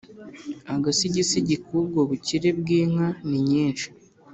agasigisigi k'ubwo bukire bw'inka ni nyinshi